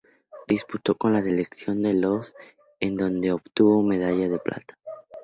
Disputó con la selección de los en donde obtuvo Medalla de Plata.